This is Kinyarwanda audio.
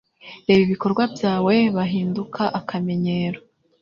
Reba ibikorwa byawe; bahinduka akamenyero.